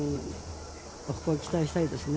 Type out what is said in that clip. ここは期待したいですね。